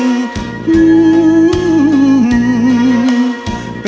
ส่วนสุดท้าย